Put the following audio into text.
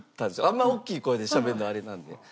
あんまり大きい声でしゃべるのあれなので。